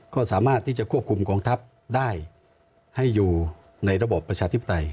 ก็สามารถที่จะควบคุมกองทัพได้ให้อยู่ในระบอบประชาธิปไตย